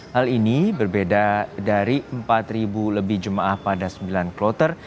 hal ini berbeda dari empat lebih jemaah pada sembilan kloter